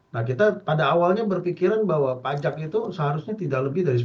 nah kita pada awalnya berpikiran bahwa pajak itu seharusnya tidak lebih dari sepuluh juta